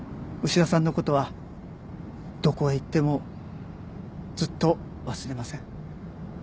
牛田さんのことはどこへ行ってもずっと忘れません